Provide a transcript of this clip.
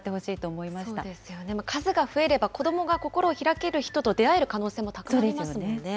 そうですよね、数が増えれば子どもが心を開ける人と出会える可能性も高まりますもんね。